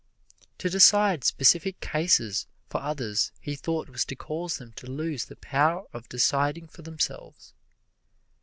To decide specific cases for others he thought was to cause them to lose the power of deciding for themselves.